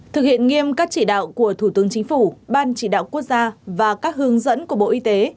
thực hiện nghiêm các chỉ đạo của thủ tướng chính phủ ban chỉ đạo quốc gia và các hướng dẫn của bộ y tế